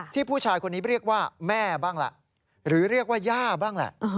ผู้ชายคนนี้เรียกว่าแม่บ้างล่ะหรือเรียกว่าย่าบ้างแหละ